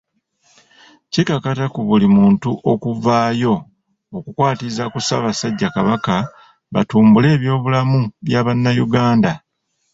Kikakata ku buli muntu okuvaayo okukwatiza ku Ssaabasajja Kabaka batumbule ebyobulamu bya Bannayuganda.